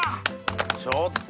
ちょっと。